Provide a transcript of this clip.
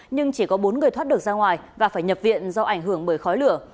nhưng chỉ có bốn người thoát được ra ngoài và phải nhập viện do ảnh hưởng bởi khói lửa